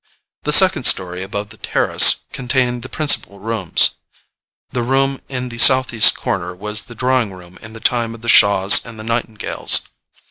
The second story above the terrace contained the principal rooms: the room in the south east corner was the drawing room in the time of the Shaws and the Nightingales.